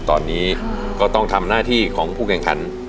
ตอนนี้ก็ต้องทำหน้าที่ของผู้แข่งขัน